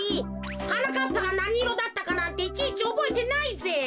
はなかっぱがなにいろだったかなんていちいちおぼえてないぜ。